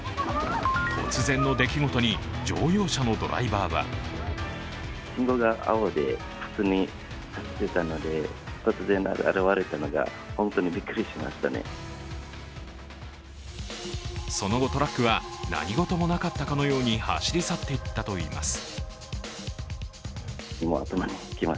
突然の出来事に乗用車のドライバーはその後、トラックは何事もなかったかのように、走り去っていったといいます。